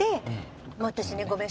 もう私ねごめん。